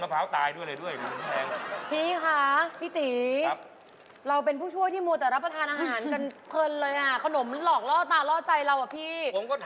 พี่คะพี่ตีเราเป็นผู้ช่วยที่มูติรับประทานอาหารกันเคินเลยอ่ะสนุกลอกรออตาแล้วพี่